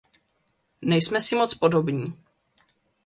Nejsme si moc podobní.